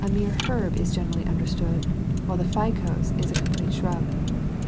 mere herb is generally understood, while the " phycos" is a complete shrub.